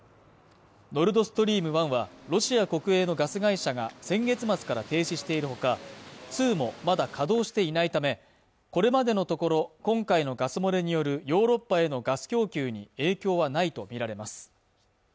ノルドストリーム１はロシア国営のガス会社が先月末から停止しているほか数もまだ稼働していないためこれまでのところ今回のガス漏れによるヨーロッパへのガス供給に影響はないと見られます